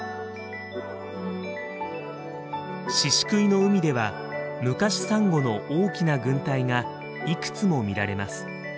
宍喰の海ではムカシサンゴの大きな群体がいくつも見られます。